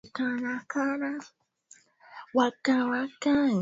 Wanga wa kiazi lishe ni muhimu kwa mwili wa mwanadam